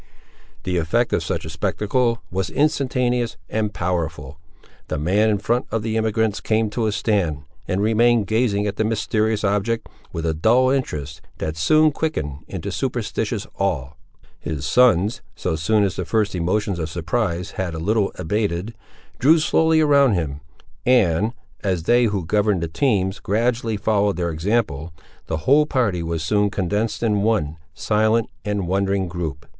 The effect of such a spectacle was instantaneous and powerful. The man in front of the emigrants came to a stand, and remained gazing at the mysterious object, with a dull interest, that soon quickened into superstitious awe. His sons, so soon as the first emotions of surprise had a little abated, drew slowly around him, and, as they who governed the teams gradually followed their example, the whole party was soon condensed in one, silent, and wondering group.